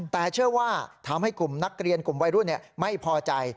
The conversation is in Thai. แต่เชื่อว่าทำให้กลุ่มนักเรียนกลุ่มวัยรุ่นไม่พอใจ